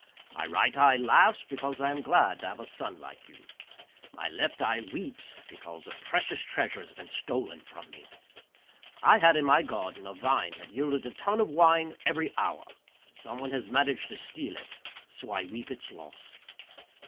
My right eye laughs because I am glad to have a son like you; my left eye weeps because a precious treasure has been stolen from me. I had in my garden a vine that yielded a tun of wine every hour someone has managed to steal it, so I weep its loss.